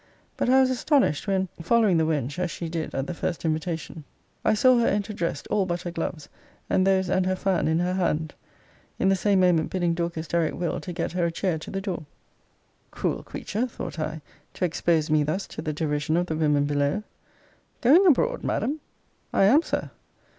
But I was astonished, when (following the wench, as she did at the first invitation) I saw her enter dressed, all but her gloves, and those and her fan in her hand; in the same moment bidding Dorcas direct Will. to get her a chair to the door. Cruel creature, thought I, to expose me thus to the derision of the women below! Going abroad, Madam! I am, Sir.